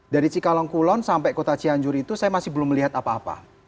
dari cikalongkulon sampai kota cianjur itu saya masih belum melihat apa apa